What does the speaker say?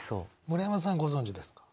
村山さんご存じですか？